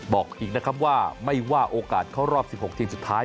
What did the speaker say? บอกอีกนะครับว่าไม่ว่าโอกาสเข้ารอบ๑๖ทีมสุดท้าย